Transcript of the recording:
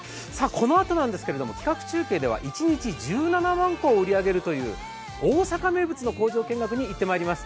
このあとなんですが、企画中継では一日１７万個を売り上げるという大阪名物の工場見学に行ってまいります。